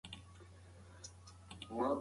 زموږ کلتور د پیاوړي مورنۍ ژبې په ګډه ژوند کوي.